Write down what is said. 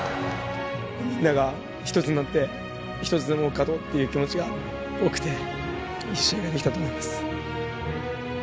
みんなが一つになって一つでも多く勝とうっていう気持ちが多くていい試合ができたと思います。